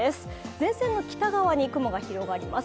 前線の北側に雲が広がります。